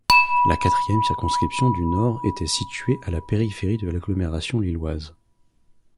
La quatrième circonscription du Nord était située à la périphérie de l'agglomération Lilloise.